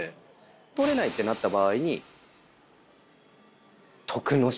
取れないってなった場合に。